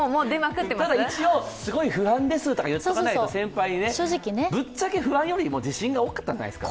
ただ、一応すごい不安ですとか言っておかないと先輩にね、ぶっちゃけ不安よりも自信が多かったんじゃないですか。